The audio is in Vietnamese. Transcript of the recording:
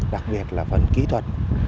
đặc biệt là phần kỹ thuật